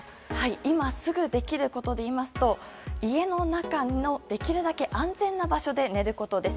今すぐできることで言いますと家の中の、できるだけ安全な場所で寝ることです。